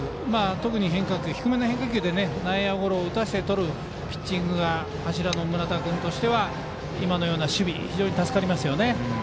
特に変化球、低めの変化球で内野ゴロを打たせてとるピッチングが柱の村田君としては今のような守備は助かりますよね。